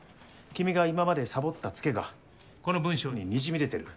君が今までサボったツケがこの文書ににじみ出てる。